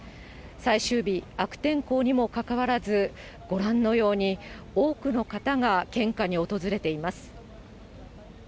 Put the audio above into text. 最終日、悪天候にもかかわらず、ご覧のように、多くの方が献花に訪れています。